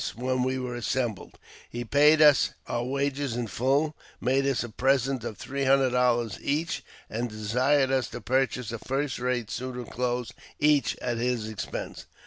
When we were assembled, he paid us our wages in full, made us a present of three hundred dollars each, and desired us to purchase a first rate suit of clothes each at his expense.